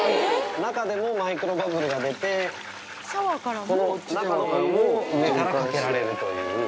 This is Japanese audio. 中でもマイクロバブルが出て、この中のお湯も上からかけられるという。